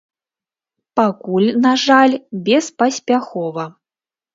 Пакуль, на жаль, беспаспяхова.